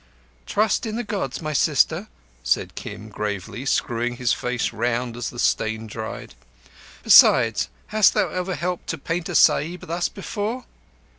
"Trust in the Gods, my sister," said Kim gravely, screwing his face round as the stain dried. "Besides, hast thou ever helped to paint a Sahib thus before?"